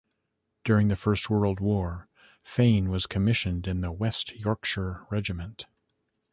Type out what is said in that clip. During the First World War Fane was commissioned in the West Yorkshire Regiment.